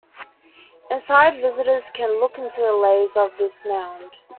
Inside, visitors can look into the layers of this mound.